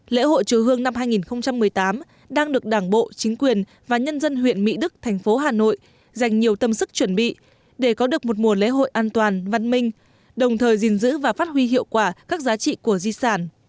lễ hội chùa hương năm hai nghìn một mươi tám đang được đảng bộ chính quyền và nhân dân huyện mỹ đức thành phố hà nội dành nhiều tâm sức chuẩn bị để có được một mùa lễ hội an toàn văn minh đồng thời gìn giữ và phát huy hiệu quả các giá trị của di sản